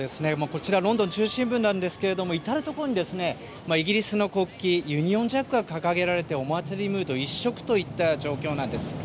こちらロンドン中心部なんですけど至るところにイギリスの国旗ユニオンジャックが掲げられてお祭りムード一色といった状況です。